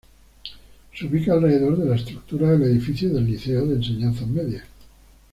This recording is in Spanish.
Se ubica alrededor de la estructura del edificio del Liceo de enseñanzas medias.